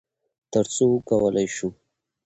تر څو وکولی شو،